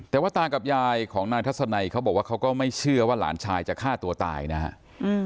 แต่ว่าตากับยายของนายทัศนัยเขาบอกว่าเขาก็ไม่เชื่อว่าหลานชายจะฆ่าตัวตายนะฮะ